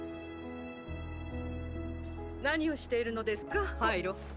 何をしているのですかハイロ。